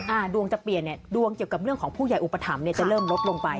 ดวงจะเปลี่ยนเนี่ยดวงเกี่ยวกับเรื่องของผู้ใหญ่อุปถัมภ์เนี่ยจะเริ่มลดลงไป